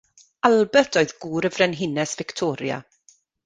Albert oedd gŵr y frenhines Victoria.